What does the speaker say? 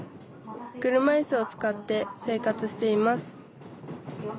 車いすを使って生活しています